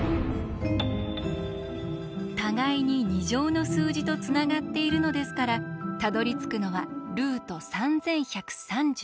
互いに２乗の数字とつながっているのですからたどりつくのは√３１３６。